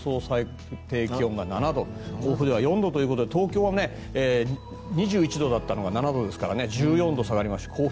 最低気温が７度甲府では４度ということで東京は２１度だったのが７度ですから１４度下がりました。